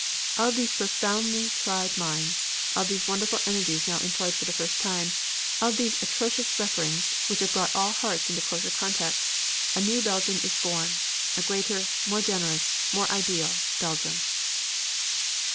"Of these profoundly tried minds, of these wonderful energies now employed for the first time, of these atrocious sufferings which have brought all hearts into closer contact, a new Belgium is born, a greater, more generous, more ideal Belgium."